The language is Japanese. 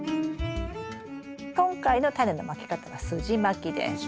今回のタネのまき方はすじまきです。